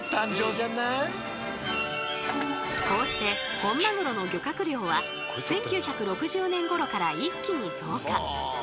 こうして本マグロの漁獲量は１９６０年ごろから一気に増加！